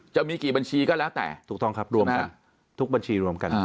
จะมีกี่บัญชีก็แล้วแต่ทุกบัญชีรวมกัน